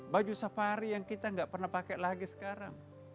baju safari yang kita nggak pernah pakai lagi sekarang